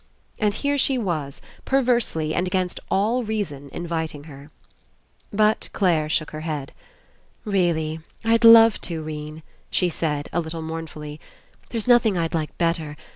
And here she was, perversely and against all reason, inviting her. But Clare shook her head. "Really, I'd love to, 'Rene," she said, a little mournfully. ^'There's nothing I'd like better.